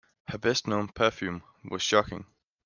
Her best-known perfume was Shocking!